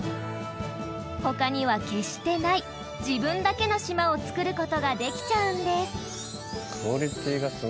他には決してない自分だけの島を作る事ができちゃうんです卓志：